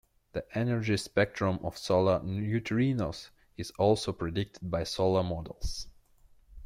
The energy spectrum of solar neutrinos is also predicted by solar models.